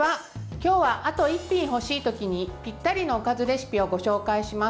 今日はあと一品欲しい時にぴったりのおかずレシピをご紹介します。